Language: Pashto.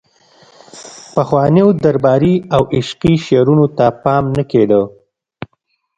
پخوانیو درباري او عشقي شعرونو ته پام نه کیده